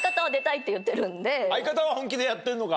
相方は本気でやってんのか。